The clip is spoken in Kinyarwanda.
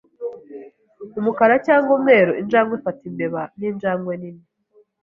Umukara cyangwa umweru, injangwe ifata imbeba ninjangwe nini.